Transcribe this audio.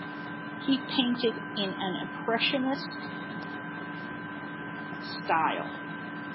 He painted in an impressionist style.